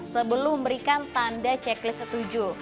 sebelum memberikan tanda checklist setuju